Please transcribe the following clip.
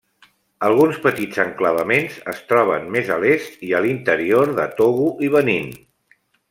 Alguns petits enclavaments es troben més a l'est i a l'interior de Togo i Benín.